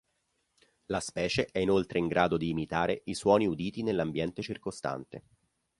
La specie è inoltre in grado di imitare i suoni uditi nell'ambiente circostante.